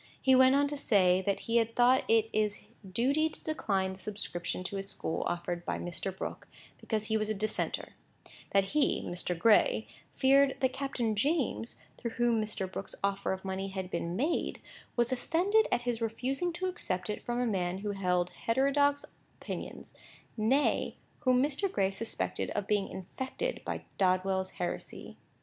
He went on to say, that he had thought it his duty to decline the subscription to his school offered by Mr. Brooke, because he was a Dissenter; that he (Mr. Gray) feared that Captain James, through whom Mr. Brooke's offer of money had been made, was offended at his refusing to accept it from a man who held heterodox opinions; nay, whom Mr. Gray suspected of being infected by Dodwell's heresy.